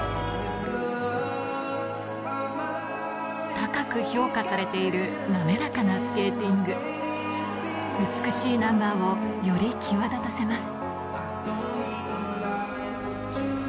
高く評価されている滑らかなスケーティング美しいナンバーをより際立たせます